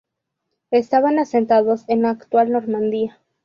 Estaban asentados en la actual Normandía.